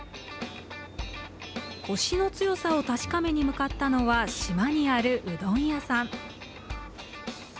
こしの強さを確かめに向かったのは、島にあるうどん屋さん。